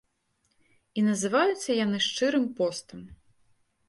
І называюцца яны шчырым постам.